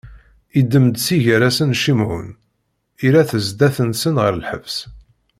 Iddem-d si gar-asen Cimɛun, irra-t zdat-nsen ɣer lḥebs.